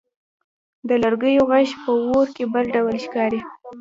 د لرګیو ږغ په اور کې بل ډول ښکاري.